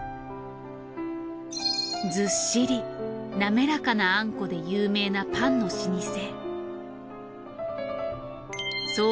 ずっしり滑らかなあんこで有名なパンの老舗。